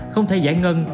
không thể giải ngăn